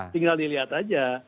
tinggal dilihat aja